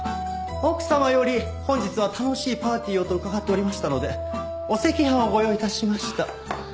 奥様より本日は楽しいパーティーをと伺っておりましたのでお赤飯をご用意致しました。